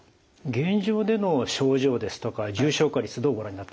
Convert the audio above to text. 現状での症状ですとか重症化率どうご覧になってますか？